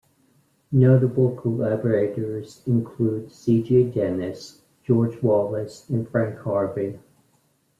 Notable collaborators include C. J. Dennis, George Wallace and Frank Harvey.